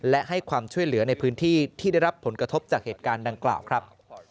และให้ความช่วยเหลือในพื้นที่ที่ได้รับผลกระทบจากเหตุการณ์ดังกล่าวครับ